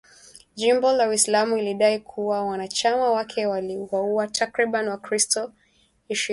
Jimbo la Uislamu ilidai kuwa wanachama wake waliwauwa takribani wakristo ishirini.